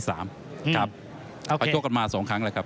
จะพาชั่วมา๒ครั้งบ้าง